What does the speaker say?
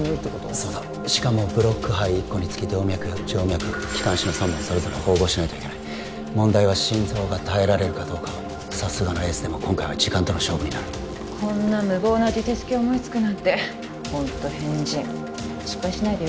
そうだしかもブロック肺一個につき動脈静脈気管支の三本をそれぞれ縫合しないといけない問題は心臓が耐えられるかどうかさすがのエースでも今回は時間との勝負になるこんな無謀な術式を思いつくなんてホント変人失敗しないでよ